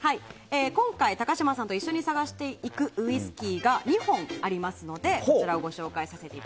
今回、高嶋さんと一緒に探していくウイスキーが２本ありますのでご紹介します。